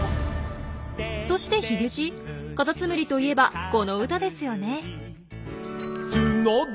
そしてヒゲじいカタツムリといえばこの歌ですよね。